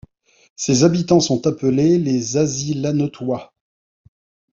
Ses habitants sont appelés les Azillanetois.